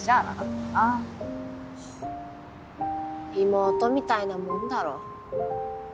妹みたいなもんだろ。